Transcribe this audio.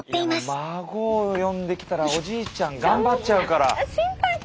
もう孫呼んできたらおじいちゃん頑張っちゃうから。